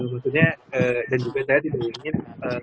maksudnya dan juga saya tidak ingin